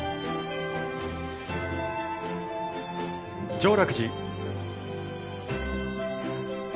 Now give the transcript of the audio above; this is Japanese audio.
常楽寺。